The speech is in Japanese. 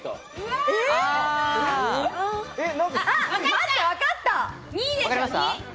待って、わかった！